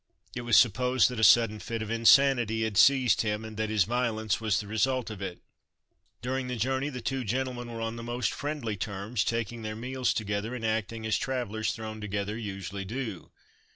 It was supposed that a sudden fit of insanity had seized him, and that his violence was the result of it. During the journey the two gentlemen were on the most friendly terms, taking their meals together and acting as travellers thrown together usually do.